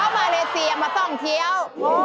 ก็มาเลเซียมาซ่องเที่ยว